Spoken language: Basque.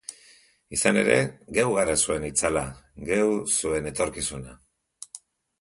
Izan ere, geu gara zuen itzala, geu zuen etorkizuna...